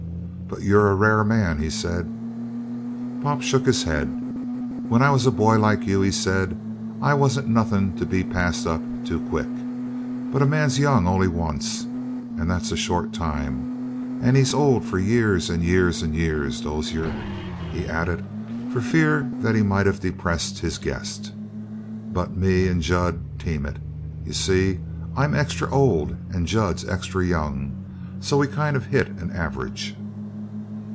"But you're a rare man," he said. Pop shook his head. "When I was a boy like you," he said, "I wasn't nothin' to be passed up too quick. But a man's young only once, and that's a short time and he's old for years and years and years, Dozier." He added, for fear that he might have depressed his guest, "But me and Jud team it, you see. I'm extra old and Jud's extra young so we kind of hit an average."